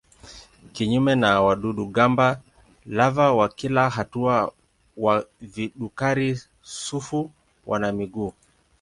Kinyume na wadudu-gamba lava wa kila hatua wa vidukari-sufu wana miguu.